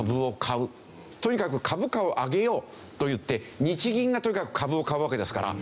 とにかく株価を上げようといって日銀がとにかく株を買うわけですから。